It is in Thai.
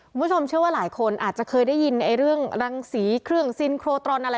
คุณผู้ชมเชื่อว่าหลายคนอาจจะเคยได้ยินเรื่องรังสีเครื่องซินโครตรอนอะไร